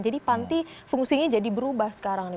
jadi panti fungsinya jadi berubah sekarang